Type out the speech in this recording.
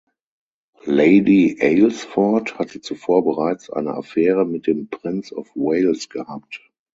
Lady Aylesford hatte zuvor bereits eine Affäre mit dem Prince of Wales gehabt.